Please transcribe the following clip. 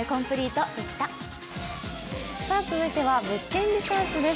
続いては「物件リサーチ」です。